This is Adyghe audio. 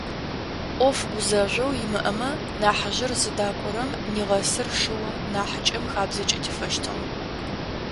Ӏоф гузэжъогъу имыӏэмэ нахьыжъыр зыдакӏорэм нигъэсыныр шыу нахьыкӏэм хабзэкӏэ тефэщтыгъэ.